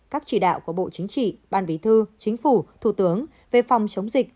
các chỉ đạo của bộ chính trị ban vĩ thư chính phủ thủ tướng